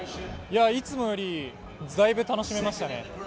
いつもよりだいぶ楽しめましたね。